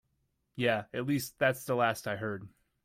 Yeah, at least that's the last I heard.